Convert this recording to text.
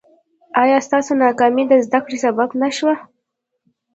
ایا ستاسو ناکامي د زده کړې سبب نه شوه؟